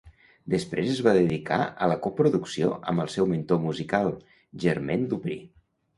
Després es va dedicar a la coproducció amb el seu mentor musical Jermaine Dupri.